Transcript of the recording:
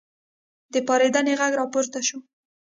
د پارېدنې غږ راپورته شو.